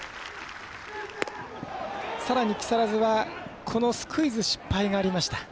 さらに木更津はスクイズ失敗がありました。